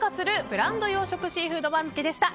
ブランド養殖シーフード番付でした。